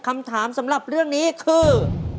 คำถามสำหรับเรื่องนี้คือ